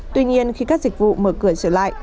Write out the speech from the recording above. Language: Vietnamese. tuy nhiên khi các dịch vụ mở cửa trở lại